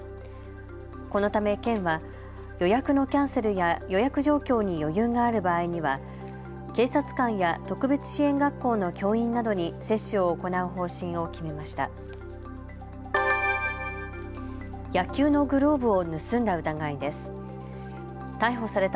このため県は予約のキャンセルや予約状況に余裕がある場合には警察官や特別支援学校の教員などに接種を行う方針を決めました。